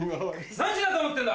何時だと思ってんだ！